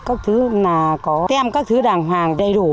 các thứ là có thêm các thứ đàng hoàng đầy đủ